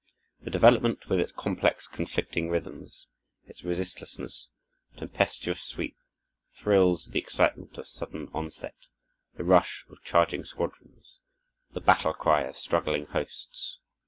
The development, with its complex, conflicting rhythms, its resistless, tempestuous sweep, thrills with the excitement of sudden onset, the rush of charging squadrons, the battle cry of struggling hosts.